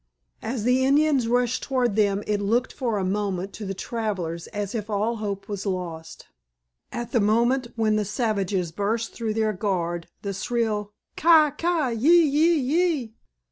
As the Indians rushed toward them it looked for a moment to the travelers as if all hope was lost. At the moment when the savages burst through their guard the shrill "Ki ki ee ee ee!"